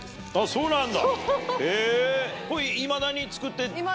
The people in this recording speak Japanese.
そうなんだ。